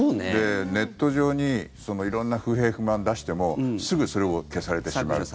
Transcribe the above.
ネット上に色々、不平不満を出してもすぐにそれが消されてしまう。